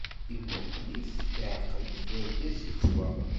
Imuqel-it-id iɛqel-it d argaz yettwaɣen.